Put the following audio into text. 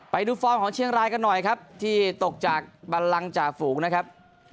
ฟอร์มของเชียงรายกันหน่อยครับที่ตกจากบันลังจ่าฝูงนะครับ